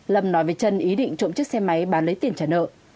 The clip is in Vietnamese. lâm nói với trân ý định trộm chiếc xe máy bán lấy tiền trả nợ